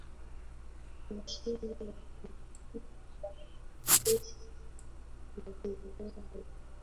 Mashirika ya kijamii kwa kuwezesha majadiliano